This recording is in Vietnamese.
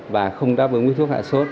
và không đáp ứng với thuốc hạ sốt